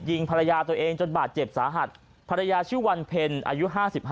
ยิงภรรยาตัวเองจนบาดเจ็บสาหัสภรรยาชื่อวันเพ็ญอายุ๕๕